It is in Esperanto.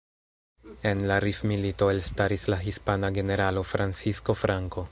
En la rif-milito elstaris la hispana generalo Francisco Franco.